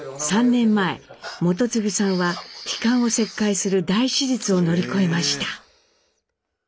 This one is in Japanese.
３年前基次さんは気管を切開する大手術を乗り越えました。